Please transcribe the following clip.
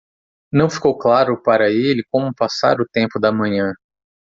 Não ficou claro para ele como passar o tempo da manhã.